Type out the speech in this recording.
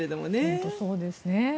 本当にそうですね。